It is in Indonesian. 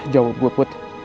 jawab gue put